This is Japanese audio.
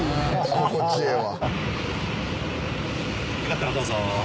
心地ええわ。